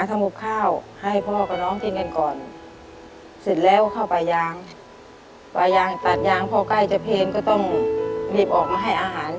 ทุกวันนี้กิจกรรมหลักของพี่อ้อมคือทำอะไรนะ